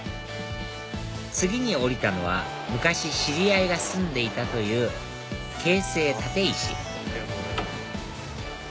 次に降りたのは昔知り合いが住んでいたという京成立石